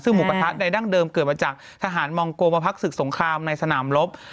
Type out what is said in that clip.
ซึ่งหมูกระทะใดดั้งเดิมเกิดมาจากทหารมองโกมาพักศึกสงครามในสนามรบ